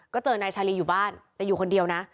ก็เจอนายชาลีอยู่บ้านแต่อยู่คนเดียวนะ